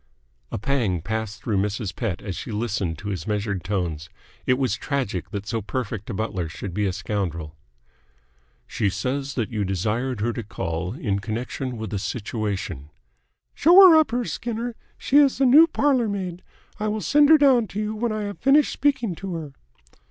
A pang passed through Mrs. Pett as she listened to his measured tones. It was tragic that so perfect a butler should be a scoundrel. "She says that you desired her to call in connection with a situation." "Show her up here, Skinner. She is the new parlour maid. I will send her down to you when I have finished speaking to her."